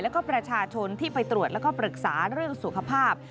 แล้วก็ประชาชนที่ไปตรวจแล้วก็ปรึกษาเรื่องสุขภาพ